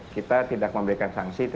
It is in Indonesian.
kita tidak memberikan sanksi